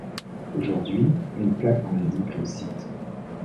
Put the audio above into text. Aujourd'hui, une plaque en indique le site.